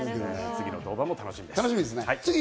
次の登板も楽しみです。